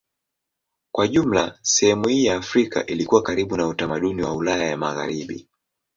Kwa jumla sehemu hii ya Afrika ilikuwa karibu na utamaduni wa Ulaya ya Magharibi.